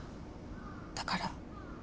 だから。